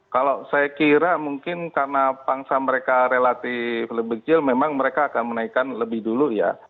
kalau saya kira mungkin karena pangsa mereka relatif lebih kecil memang mereka akan menaikkan lebih dulu ya